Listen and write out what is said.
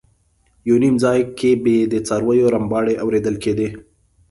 یو نیم ځای کې به د څارویو رمباړې اورېدل کېدې.